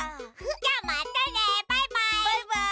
じゃあまたねバイバイ！